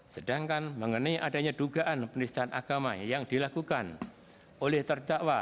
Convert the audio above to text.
sedangkan mengenai adanya dugaan penistaan agama yang dilakukan oleh terdakwa